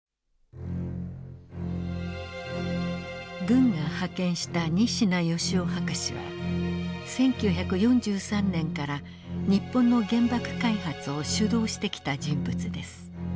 軍が派遣した仁科芳雄博士は１９４３年から日本の原爆開発を主導してきた人物です。